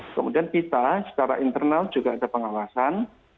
kemudian kita secara internal juga ada pengawasan